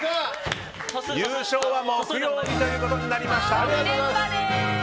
優勝は木曜日ということになりました。